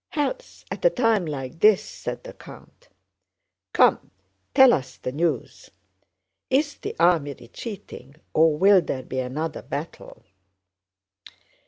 "Health, at a time like this?" said the count. "Come, tell us the news! Is the army retreating or will there be another battle?"